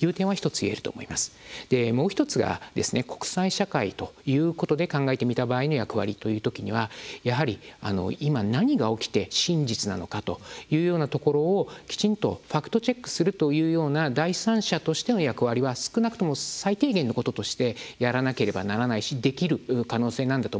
もう１つが国際社会ということで考えてみた場合の役割というときにはやはり今何が起きて真実なのかというようなところをきちんとファクトチェックするという第三者としての役割は少なくとも最低限のこととしてやらなければならないしできる可能性なんだと思います。